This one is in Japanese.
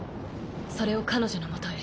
それを彼女のもとへ。